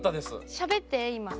しゃべって今。